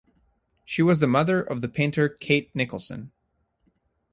She was the mother of the painter Kate Nicholson.